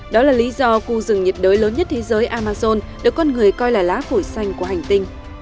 đó là lý do khu rừng nhiệt đới lớn nhất thế giới amazon được con người coi là lá phổi xanh của hành tinh